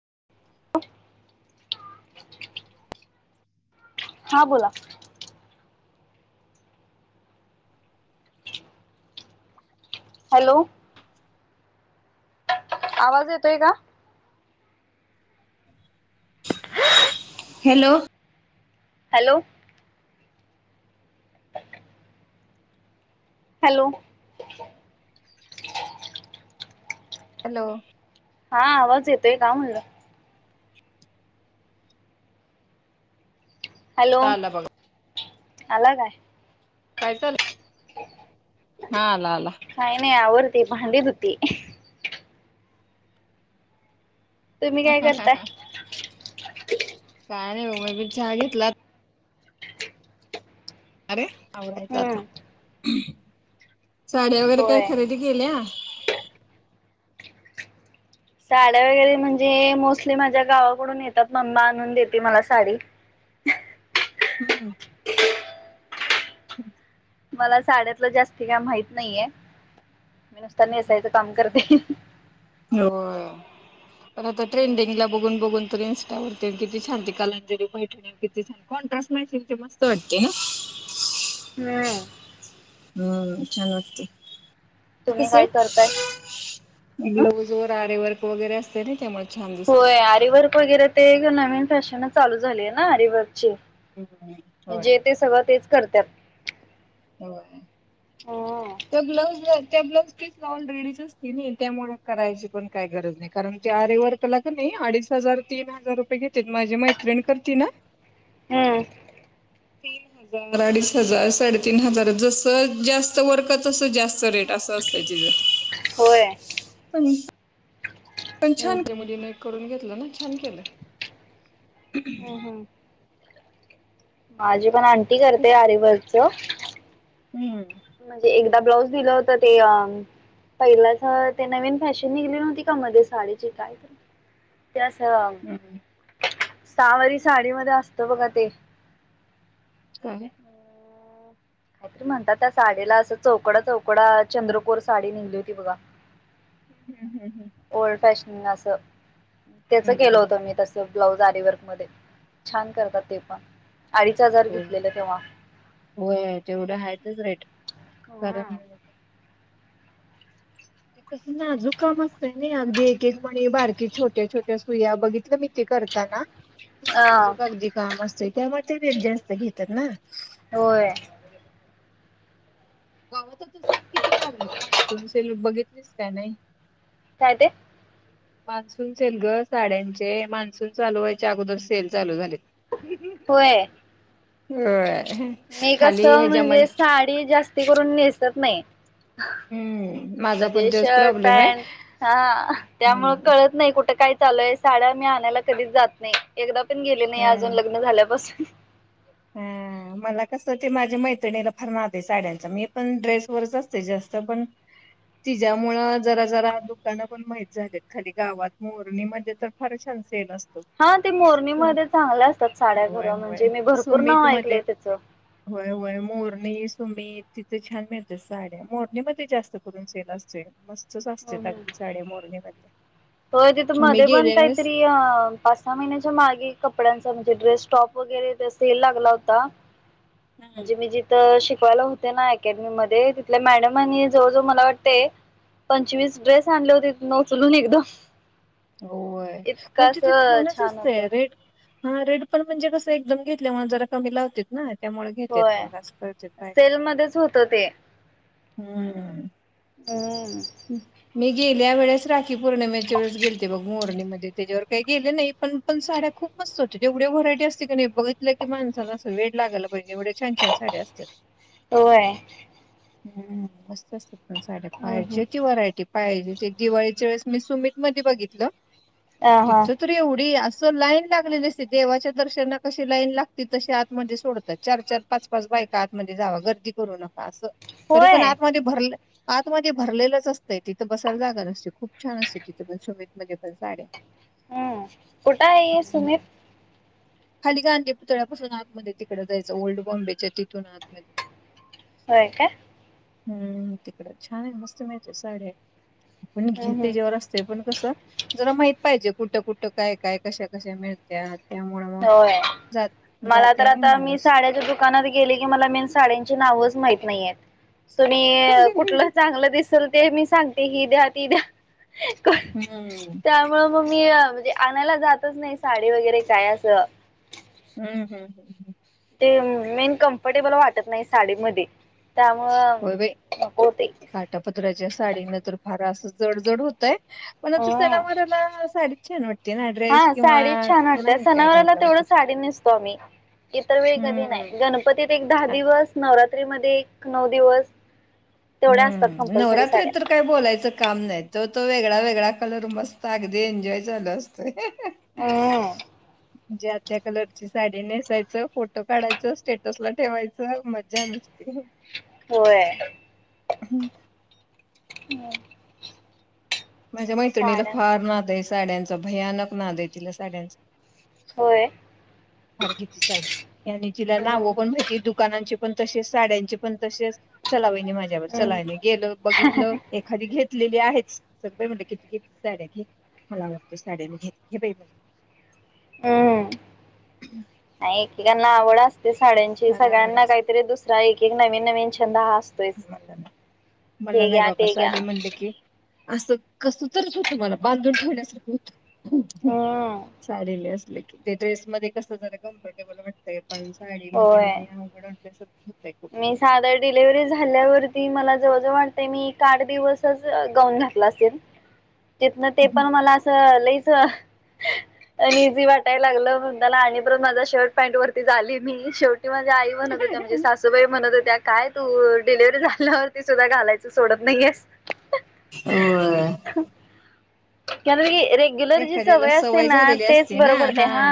[inaudible] हा बोला हॅलो आवाज येतोय का हॅलो हॅलो हॅलो हॅलो हा आवाज येतोय का म्हणलं हॅलो आला बघा आला काय काय चाल हा आला आला आवरती भांडी धुतीये तुम्ही काय करताय नाही चहा घेतला अरे आवरायचं हम्म आता साड्या वगैरे काही होय खरेदी केल्या साड्या वगैरे म्हणजे मोस्टली माझ्या गावाकडून येतात मम्मा आणून देते मला साडी हम्म मला साड्यातलं जास्त काय माहित नाहीये मी निस्ता नेसायचं काम करते हो पर तर ट्रेंडिंगला हम्म बघून बघून तरी त्यावरती किती छांती कालाजरी बैठण्यावर किती छान कॉन्ट्रास्ट नाही मस्त वाटते ना हम्म हम्म छान वागते तुम्ही कस काय करताय ब्लाऊज वर आरीवर्क वगैरे असते ना त्यामुळे छान होय दिसतात अरवर्क वगैरे ते नवीन फॅशन चालू झाली आहे ना अरिवर्क ची हम्म म्हणजे ते सगळं तेच करतात हो हम्म त्या ब्लाऊज त्या ब्लाउज त ऑलरेडीच असती ना त्यामुळे करायची पण काही गरज नाही कारण ते आरीवर्क ला अडीच हजार तीन हजार रुपये घेते माझी मैत्रिण करती ना हमम तीन हजार अडीच हजार साडेतीीन हजार जस जास्त वर्क तस जास्त रेट असं असत तिच होय [unintelligible] पण हम्म छानजकून घेत ना छान केलं हम्म हम्म माझी पण आण करते अँटी खूप करते अरिवर्क को हम्म ब्लाऊज दिलं होत ते पहिल्याच ते नवीन फॅशन निघले होती मध्ये साडीची काय तर स हम्म सहावारी साडीमध्ये असत बघा ते काे काहीतरी म्हणतात त्या साडीला असं चौकडा चौकडा चंद्रकोर साडी निघली होती बघा हम् हम ओल्ड फॅ नस त्याच हम्म केलं हम्म होतं मी तस ब्लाउज वर्क करतात ते छान पण अडीच हजार होय घेतलेले तेव्हा होय तेवढं आहेतच रेट कारण ते कसं नाजूक काम असतंय ना अगदी एक एक मणी बारकी छोट्या छोट्या सुया बघितलं मी ते करताना खूप अ नाजूक अगदीे काम असत त्यामुळं ते रेट जास्त घेतात ना होय गावात सेल किती लागलीत मान्सून सेल बघितलीस काय नाही काय तेे मान्सून सेल ग साड्यांचे मान्सून चालू व्हायच्या अगोदर सेल चालू झाले होय हो मी कस म्हणजे साडी जास्ती करून नेसत नाही हम्म माझा पण म्हणजे तोच शर्ट प्रॉब्लेम आहे पॅन्ट हा त्यामुळं हम्म कळत नाही कुठं काय चालूय साड्या मी आणायला कधीच जात नाही एकदा पण गेले नाही हा अजून लग्न झाल्यापासून हा हा मला कस ते माझे मैत्रिणीला फार नाद आहे साड्यांचा मी पण ड्रेस वरच असते जास्त पण तिच्यामुळं जरा जरा दुकानं पण माहित झालीत खाली गावात मोरणीमध्ये तर फार छान सेल असत हा ते मोरणीमध्ये चांगल्या असतात साड्या खरं म्हणजे मी भरपूर कमीत नाव कमी मध्ये ऐकलंय त्याचं मी सुमी तिथे छान मिळते साड्या मोरणी मध्ये जास्त करून सेल असते मस्त स्वस्त अगदी साड्या मोरणी मध्ये होय तिथ मध्ये पण काहीतरी पाच सहा महिन्याच्या मागे कपड्यांचा म्हणजे ड्रेस टॉप वगैरे चा सेल लागला होता हम्म म्हणजे मी जिथ शिक शिकवायला होते ना अकॅडमी मध्ये तिथल्या मॅडम आणि जवळ जवळ मला वाटते पंचवीस ड्रेस आणले होते तिथ उचलून एकदम होय कारण इतकं तिथे असं छानच छान होतं असतय रेट हा रेट पण म्हणजे कसं एकदम घेतलाय म्हणून जरा कमी लावते ना त्यामुळे घेतेत होय मग असं करतेत बायका. सेल मध्येच होत ते हम्म ह मी गेल्या वेळेस ी पौर्णमेच्या वेळेस गेलते बग मोरणीमध्ये त्याच्यावर काही गेले नाही पण पण साड्या खूप मस्त होत्या जेवढ्या व्हरायटी असतील काी नाही बघितलं की माणसाला असं वेळ लागल बहिणीमुळेढ छान छान साड असतात होय हम्म असस् अस सा हम्म हम्म. पायजित पाहिजे ते दिवाळीच्या वेळेस मी सुमित मध्ये बघितलं अ हा तिथ तरी एवढी अस स लाईन लागलेली असते देवाच्या दर्शना कशी लाईन लागते तशी आतमध्ये सोडतात चार चार पाच पाच बायका आतमध्ये जावा गर्दी करू नका असं तरी होय पण आत मा ज भरलं आतमध्येध्ये भरलेलं असतं तिथं बसायला जागा नसते खूप छान असते तिथ पण सुोमत मध्ये पण साड्या हम्म कुठं आहे हम्म सुमित खाली गांधी पुतळ्यापासून आतमध्ये तिकडं जायचं ओल्ड बॉम्बेच्या तिथून आतमध्ये हो का हम्म तिकडे छान मस्त म साडे्या आपण घेल हम्म हम्म त्याच्यावर असतोय पण कस जरा माहिित पाहिजे कुठं कुठं काय काय कशा कशा मिळत्या त्यामुळे मग होय जात मला तर जाते नाही आता मी माणूस साड्याच्या दुकानात गेले की मला मेन साड्यांची नावच माहिती नाही आहेत त म कुठलं हम्म चांगलं दिस असल ते मी सांगते ही द्या ती द्या हम्म त्यामुळे मग मी म्हणजे आणायला जातच नाही साडी वगैरे काय अस तर हम्म हम्म हम्म हम्म ते मेन कम्फर्टेबल वाटत नाही साडीमध्ये त्यामुळं होय बाइ नको ते काटापद्राच्या साडीन तर फार असच जड जड होतय, पण आता अम सणावाराला साडीच छान वाटते ना ड्रेस हा किंवा साडी छान वाडतेय नाही काय सनावराला चांगला तेवढ वाटत साडी नेसतो आम्ही इतर वेळ कधी हम्म नाही गणपतीत एक दहा आ- दिवस नवरात जतेमध्ये एक नऊ दिवस तेवढ्या असतात हम्म कंपल्सरी नवरात्री साड्या. तर काय बोलायचं काम नाही तर तो वेगळा वेगळा सेगळा कलर मस्त अगदी एन्जॉय झाल असतोय. हम् ज्या त्या कलरची साडी नेसायचं फोटो काढायचं स्टेटस ला ठेवायच, तर मजा नूसती, होय हम्म हम माझ्या मैत्रिणीला फार नादायच, साड्यांचा भयानक ना द तिला साड्यांचा होय. फार घे ती साड्या यांनी तिला नाव हम्म पण माहिती दुकानांची पण तसेच साड्यांचे पण तसेच चलावईने माझ्यावर हम्म चलावने गेलं बघितलं एखादी घेत घेतलेली आहेच सग म्ह किती घेत साड्या घे मला आवडत साड्या मी घेत घे बाई म्ह हम्म नाही क ना आवड साड्यांची फार आवड सगळ्यांना असते काहीतरी दुसरा एक एक नवीन नवीन ंद हा असतोयच मला नाही मला हे नाही घ्या बाबा ते घ्या साडी म्हणली की असं कसं तरच होतं मला बांधून ठेवण्यासारखं होतं. हम्म सारी लिस क ते ्रेसमध्ये कसं झालं कम्फर्टेबल वाटतंय, पण साडीमध्ये होय नाही अवघड होतंय खूप मी साधर डिलिव्ही झा झाल्यावरती मला जवळ जव वाटते मी आठ दिवसच गाऊन घातला असेल न ते पण मला असं लईच आणि इझी वाटायला लागलं म्हण त्याला आणि ब माझ्या शर्ट पॅनट वरती झाली मी शेवट आई बनत होते म्हणज सासबाई म्हणत त्या काय तू डिलिव्हरी झाल्यावरती सुद्धा घालायचं सोडत नाहीेस हो कणी रेग्युलर जी सवय असते ना झालेली तेच असते ना बर पडते हा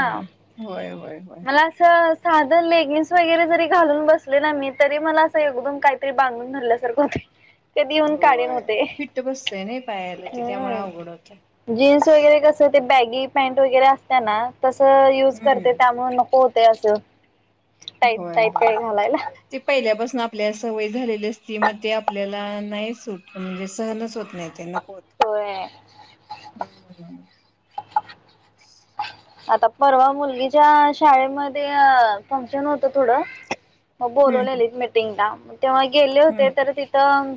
होय होय होय मला असं साधन लेगिन्स वगैरे जरी घालून बस मी तरी मला असं एकदम काहीतरी बांधून धरल्यासारखं हो कधीऊन काढ होय नवते फिट्ट बसतय नाही पायाला ते त्यामुळे अवघड होतं हम् जीन्स वगैरे कस ते बॅगी पॅं्ट वगैरे असत्या ना तसं युज करते हम्म त्यामुळे नको ते असं तय होय तयत होय आहे घालायला ते पहिल्यापासून आपल्या सवयी झालेली असती मग ते आपल्याला नाही सूट म्हणजे सहनच होत नाही ते होत होय हम्म आता परवा मुलगीच्या शाळेमध्ये फंक्शन होतं थोडं मग हम्म बोलवलेली मीटिंग ला तेव्हा गेले होते हम्म तर तिथं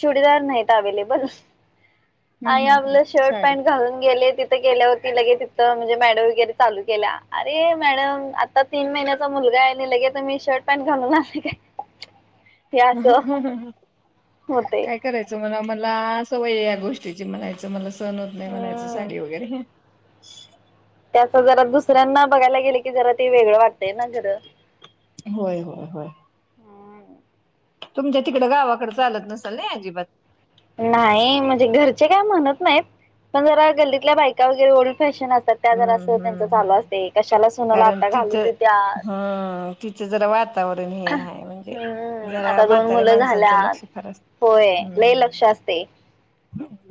चुडीदार नाहीत अवेलेबल हम्म हाय हम्म आपलं शर्ट साडी पॅन्ट घालून गेले ति ते गेल्यावर्ती लगे तिथं म्हणजे वगैरे चालू केल्या अरे मॅडम आता तीन महिन्याचा मुलगा आहे लगेच तुमी शर्ट पॅन्ट घालून आलाय काय हे असं होते [unintelligible] मला सवय या गोष्टीची म्हणायचं मला सण होत नाही म्हणायचं हम्म साडी वगैरे, [unintelligible] त्यांच जरा दुसऱ्यांना बघायला गेले की जरा ते वेगळं वाटतय ना घर् [unintelligible] होय होय होय हम्म. तुमच्या तिकडं गावाकडे चालत नसाल ना अजिबात, नाही म्हणजे घरचे काय म्हणत नाहीत पण जरा गल्लीतल्या बायका वगैरे ओर फॅशन असतात त्या जरा अस हम्म त्यांच हम्म चालू हम्म असते कशाला सुनला कारण आता घालू तिचं देत्यात. हम्म तिचं जरा वातावरण हे आहे म्हणजे हम्म जरा आता दोन म्हाताऱ्या मुलं माणसांचं झाल्यात. लक्ष फार असत होय लय हम्म लक्ष असतय,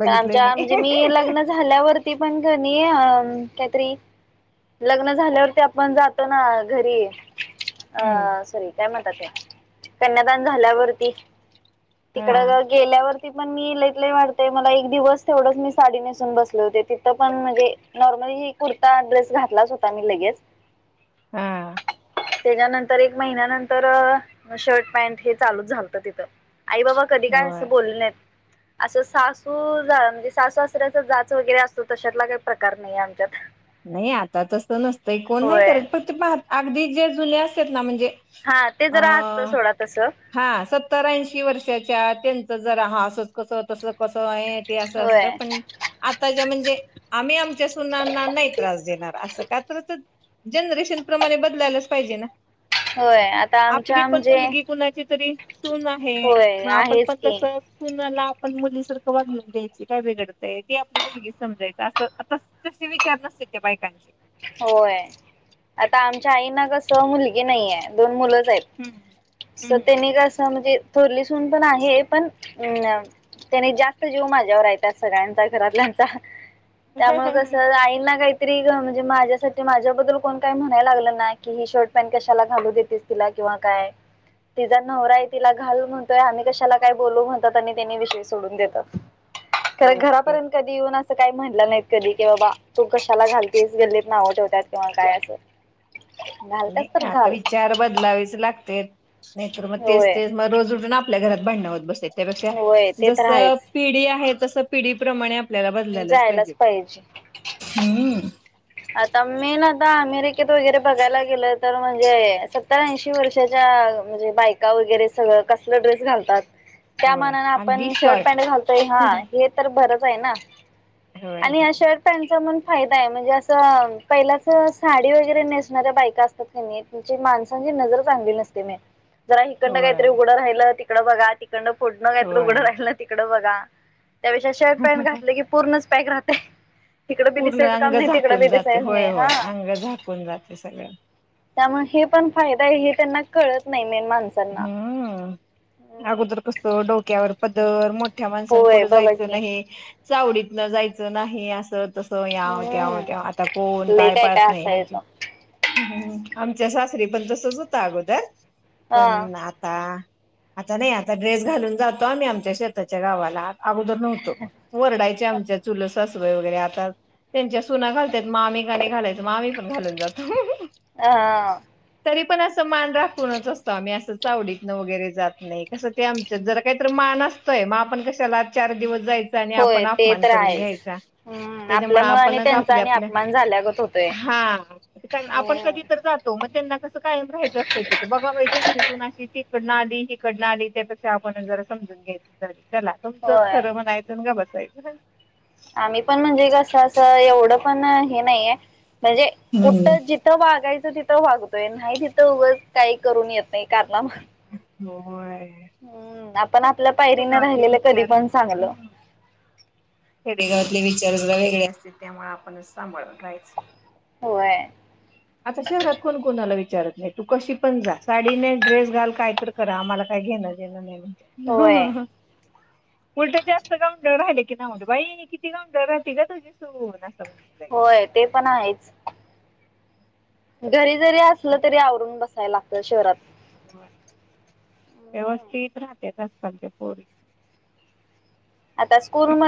पण आमच्या म्हणजे मी लग्न झाल्यावरती पण कणी अ काहीतरी लग्न झाल्यावरती आपण जातो ना घरी हम्म ह सॉरी कन्यादान झाल्यावरती हा तिकडं जर गेल्यावर ती पण मी लईतलई वाटतंय मला एक दिवस तेवढच मी साडी नेसून बसले होते. तिथं पण म्हणजे नॉर्मल ही कुर्ता ड्रेस घातलाच होता मी लगेच हम्म. तेज्यानंतर एक महिन्यानंतर तर शर्ट पॅन्ट हे चालूच झालतं तिथं आई बाबा कधी काय होय असं बोलले नाहीत असं सासू जा म्हणजे सासू सासऱ्याच जाच वगैरे असतं तशातला काही प्रकार नाहीे आमच्यात. नाही आता तस नसतंय कोण नाही होय करत प ते अगदी जे जुने असत्यात ना म्हणजे हा ते अ जरा असतं सोडा तसं हा सत्तर ऐशी वर्ष त्यांच जर ह असत कस त कस आहे ते अस असत होय पण आता ज म्हणजे आम्ही आमच्या सुनाना नाही त्रास देणार असं का तर जनरेशन प्रमाणे बदलायलाच पाहिजे ना होय आता आपली आमच्या पण म्हणजे मुलगी कुणाची तरी सून आहे होय मग आपण आहेच पण तस की सुनला मुली सारखं वागून द्यायची काय बिघडतय ती आपली मुलगी समजायच असं आ तसे विचार नसेल बायकांचे होय आता आमच्या आईना कस मुलगी नाहीे दोन मुलं हम्म स हम्म त्यांनी हम्म कस म्हणजे पोलीस पण आहे पण अम् त्याने जास्त जीव माझ्यावर आहे त्या सगळ्यांचा घरातल्यांचा त्यामुळे हम्म. कसं आईंना काही तरी ग म्हणजे माझ्यासाठी माझ्याबद्दल कोण काही म्हणायला लागलं ना कि ही शर्ट पॅन्ट कशाला घालू देतस तिला किंवा काय तिचा नवरा आहे तिला घालू म्हणतोय आम्ही कशाला काय बोलू म्हणतात आणि त्यानी विषय सोडून देतात होय की. घरापर्यंत कधी येऊन काही म्हणल्या नाहीत कधी की बाबा तू कशाला घाल तेच गल्लीत नाव ठेवतात किंवा काय असं घालत्यास तर आता घाल विचार बदलावेच लागते नाहीतर मग तेच होय तेच मग रोज उठून आपल्या घरात भांडण होत बसत्यात त्यापेक्षा होय ते तर जस आहेच पिढी आहे तस पिढी प्रमाणे. आपल्याला बदलायलाच पाहिजे हम्. आता मी ना दा अमे. [inaudible] वगैरे बघयला गेलत. तर म्हणजे सत्तर-ऐंशी वर्षाच्या म्हणजे बायका वगैरे सगळं कसलं ड्रेस घालतात. त्या होय मना अगदी आपण शर्ट शॉर्ट. पॅ्ट घालतोय हा हे तर भर. होय ना. होय आणि होय. ह्या शर्ट पॅन्टच म्हण. फायदाय म्हणजे असं. पहिल्याच साडी वगैरे नेसणाऱ्या बायका असतात, त्यांनीची माणसांची नजर चांगली नसते मेन. जरा हीकडन होय काहीतरी उगड राहिलं ति. इकड बघा आति. इकडन पुडन काय तरी उगड होय. राहिल तिकड बघा. त्यापेक्षा शर्ट पॅनट घातलं की पूर्णच. पैक राहते. तिकडे बी दिसायचं काम नाही. कून बी जाते दिसायचं होय नाही हा होय अंग झाकून जाते सगळं. त्यामुळे हे पण फायदा आहे हे त्यांना कळत नाही. मेन माणसांना. हम्म हम्म अगोदर कस डोक्यावर पदर. तर वर मोठ. मोठ्या माणसान पुढ होय बघा जायचं की नाही. चावडीतन जायचं नाही असं. तस याव हम्म कॅव-कॅव आता कोण काय पाळात नाही आमच्या सासू. तरी पण तसच होत अगोदर. हा पण आता. आता नाही, आता ड्रेस घालून जातो आम्ही आमच्या शेताच्या गावाला. अगोदर नव्हतो, वरडायच्या आमच्या चुलत सासू. वगैरे आतात त्यांच्या सुना घालतात म आम्ही का नाही घालायचं मी आम्ही पण घालून जातो. हा-हा, तरी पण. मान राखूनच असत. मी असं चावडीत न वगैरे जात नाही कसं ते आमच्या जरा काही-तरी मान असतोय, मग आपण कशाला आ चार दिवस जायच. होय आपण ते अपमान तर करून आहेच. घ्यायचा, हम्म त्याच्यामुळे आपल्यामुळे आपण आणि त्यांचा आपल्या आणि आपल्या, अपमान झाल्यागत होतोय. हा आपण हम्म. कधी तर जातो. त्यांना कसं कायम राहायच असते तिथं बघा बई. तुमची सुनाशी तीकडनं आली हीकडनं आली त्यापेक्षा आपण जरा समजून घ्यायच तरी. चला तुमचंच होय खरं म्हणायचं गप बसाय [unintelligible] आम्ही पण म्हणजे कसं असं एवढं पण हे नाहीये. म्हणजे हम्म. कुठं जिथं वागायचं तिथं वागतोय नाही तिथं उगच काही करून येत नाही कारनामा. होय. आपण आपल्या पायरीनं खेडेगावातले [unintelligible] राहिलेलं कधी पण चांगलं खेडेगावातले विचार [unintelligible] आपणच सांभळून राहायच. होय. आता शहरात कोण कोण आला वि वीचारत नाही तू कशी पण जा साडीने ड्रेस घाल काय तर करा आम्हाला काय घेणं देणं होय नाही. [inaudible] उलट जास्त गावंढळ राहिले की ना म्हण बाई किती ग गावंढळ राहते का तुझी सून. म्हणते लगेच. होय ते पण आहेच. घरी. जरी असलं तरी आवरून बस लागत शहरात. होय, व्यवस्थित राहते [unintelligible] च्या पोरी आता स्कूल म